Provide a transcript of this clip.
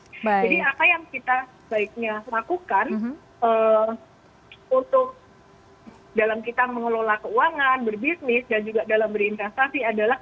jadi apa yang kita baiknya lakukan untuk dalam kita mengelola keuangan berbisnis dan juga dalam berinvestasi adalah